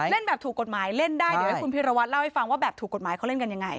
เล่นแบบถูกกฎหมายเล่นได้เดี๋ยวให้คุณพิรวัตรเล่าให้ฟังว่าแบบถูกกฎหมายเขาเล่นกันยังไง